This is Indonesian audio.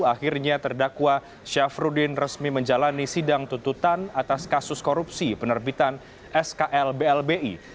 akhirnya terdakwa syafruddin resmi menjalani sidang tututan atas kasus korupsi penerbitan sklblbi